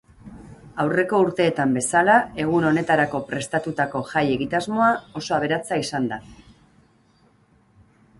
Aurreko urteetan bezala, egun honetarako prestatutako jai-egitasmoa oso aberatsa izan da.